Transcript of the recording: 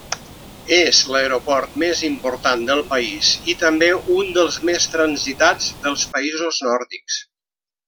És l'aeroport més important del país, i també un dels més transitats dels països nòrdics.